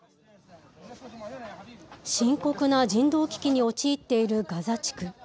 深刻な人道危機に陥っているガザ地区。